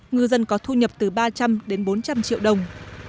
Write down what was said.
ngư dân có thu nhập từ ba trăm linh đến bốn trăm linh triệu đồng